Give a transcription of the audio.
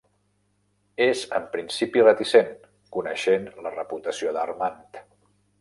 És en principi reticent, coneixent la reputació d'Armand.